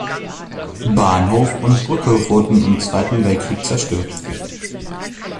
Bahnhof und Brücke wurden im Zweiten Weltkrieg zerstört.